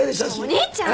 お兄ちゃん！